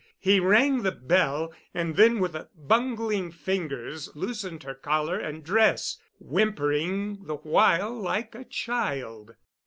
He rang the bell, and then with bungling fingers loosened her collar and dress, whimpering the while like a child.